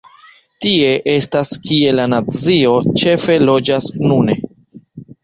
Tie estas kie la nacio ĉefe loĝas nune.